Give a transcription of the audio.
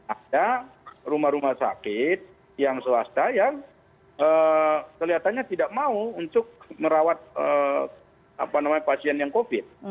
ada rumah rumah sakit yang swasta yang kelihatannya tidak mau untuk merawat pasien yang covid